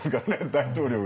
大統領が。